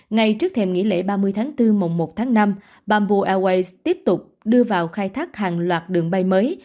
ngay trước thèm nghỉ lễ ba mươi tháng bốn mồng một tháng năm bambu airways tiếp tục đưa vào khai thác hàng loạt đường bay mới